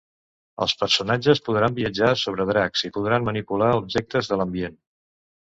Els personatges podran viatjar sobre dracs, i podran manipular objectes de l'ambient.